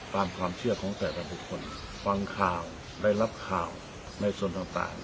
ตามความเชื่อของแต่ละบุคคลฟังข่าวได้รับข่าวในส่วนต่าง